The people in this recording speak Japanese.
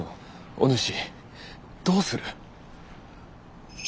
おぬしどうする？